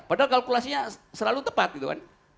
padahal kalkulasinya selalu tepat gitu kan